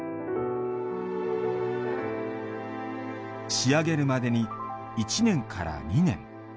仕上げるまでに１年から２年。